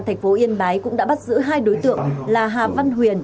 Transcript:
thành phố yên bái cũng đã bắt giữ hai đối tượng là hà văn huyền